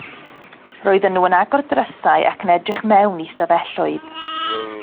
Roedden nhw yn agor drysau ac yn edrych mewn i stafelloedd.